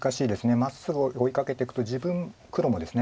まっすぐ追いかけていくと黒もですね。